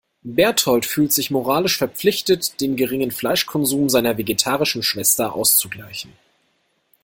Bertold fühlt sich moralisch verpflichtet, den geringen Fleischkonsum seiner vegetarischen Schwester auszugleichen.